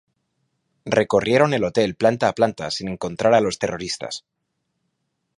Recorrieron el hotel planta a planta sin encontrar a los terroristas.